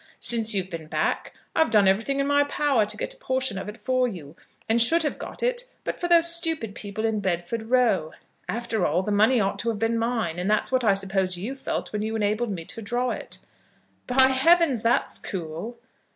Since you've been back, I've done everything in my power to get a portion of it for you, and should have got it, but for those stupid people in Bedford Row. After all, the money ought to have been mine, and that's what I suppose you felt when you enabled me to draw it." "By heavens, that's cool!"